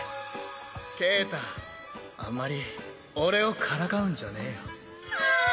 ケータあんまり俺をからかうんじゃねえよ。